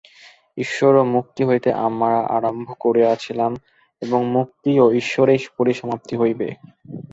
ঈশ্বর ও মুক্তি হইতে আমরা আরম্ভ করিয়াছিলাম, এবং মুক্তি ও ঈশ্বরেই পরিসমাপ্তি হইবে।